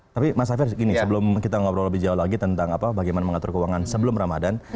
tapi mas safir gini sebelum kita ngobrol lebih jauh lagi tentang bagaimana mengatur keuangan sebelum ramadan